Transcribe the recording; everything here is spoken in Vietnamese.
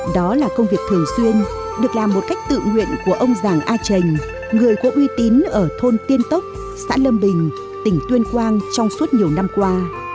đó là công việc thường xuyên được làm một cách tự nguyện của ông giàng a trình người có uy tín ở thôn tiên tốc xã lâm bình tỉnh tuyên quang trong suốt nhiều năm qua